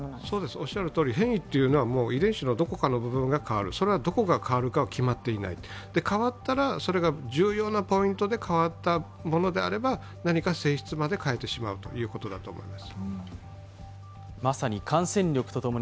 おっしゃるとおり変異というのは遺伝子のどこかの部分が変わるそれはどこが変わるかは決まっていない、変わったら、それが重要なポイントで変わったものであれば何か性質まで変えてしまうということだと思います。